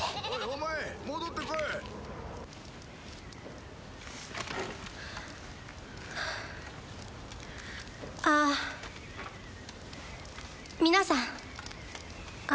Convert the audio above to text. お前戻ってこいはあああ皆さんあ